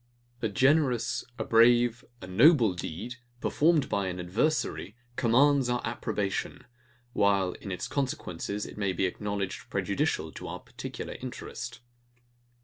A generous, a brave, a noble deed, performed by an adversary, commands our approbation; while in its consequences it may be acknowledged prejudicial to our particular interest.